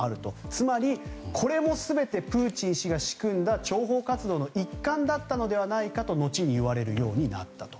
つまり、これも全てプーチン氏が仕組んだ諜報活動の一環だったのではないかと後に言われるようになったと。